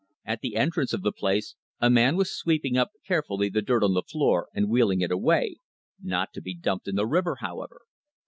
At the entrance of the place a man was sweeping up carefully the dirt on the floor and wheeling it away not to be dumped in the river, however.